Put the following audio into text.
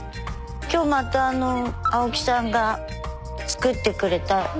今日また青木さんが作ってくれた。